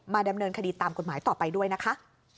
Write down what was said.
ดำเนินคดีตามกฎหมายต่อไปด้วยนะคะ